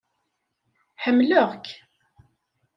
Ḥemmleɣ- k.